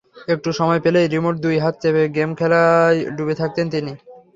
একটু সময় পেলেই রিমোট দুই হাতে চেপে গেম খেলায় ডুবে থাকেন তিনি।